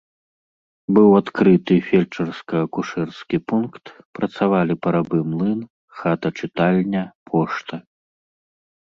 Быў адкрыты фельчарска-акушэрскі пункт, працавалі паравы млын, хата-чытальня, пошта.